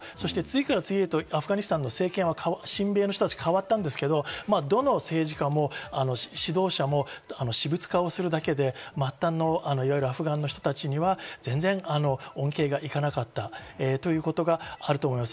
次々にアフガニスタンの政権は親米の方に変わったんですけど、どの指導者も私物化をするだけで末端のアフガンの人たちには全然恩恵がいかなかったということがあると思います。